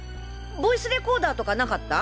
ボイスレコーダーとかなかった？